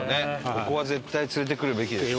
ここは絶対連れてくるべきですね。